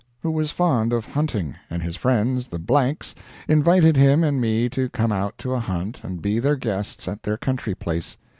who was fond of hunting, and his friends the Blanks invited him and me to come out to a hunt and be their guests at their country place.